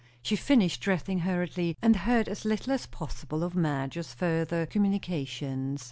She finished dressing hurriedly, and heard as little as possible of Madge's further communications.